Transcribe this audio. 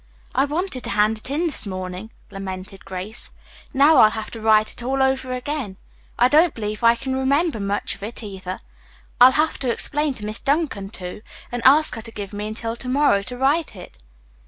"I wanted to hand it in this morning," lamented Grace. "Now I'll have to write it all over again. I don't believe I can remember much of it, either. I'll have to explain to Miss Duncan, too, and ask her to give me until to morrow to write it."